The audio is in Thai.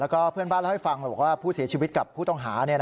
แล้วก็เพื่อนบ้านเล่าให้ฟังบอกว่าผู้เสียชีวิตกับผู้ต้องหา